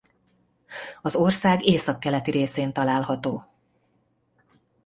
Az ország északkeleti részén található.